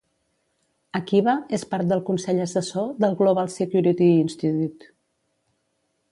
Akiba és part del consell assessor del "Global Security Institute".